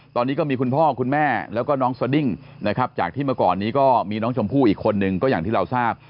ตอนนี้ก็มีคุณพ่อคุณแม่แล้วก็น้องสดิ้งนะครับจากที่เมื่อก่อนนี้ก็มีน้องชมพู่อีกคนนึงก็อย่างที่เราทราบ